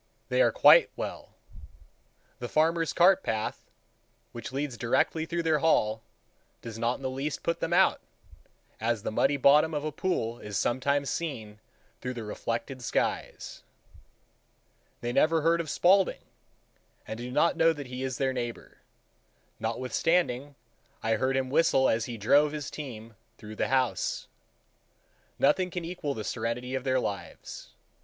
They are quite well. The farmer's cart path, which leads directly through their hall, does not in the least put them out, as the muddy bottom of a pool is sometimes seen through the reflected skies. They never heard of Spaulding, and do not know that he is their neighbor,—notwithstanding I heard him whistle as he drove his team through the house. Nothing can equal the serenity of their lives.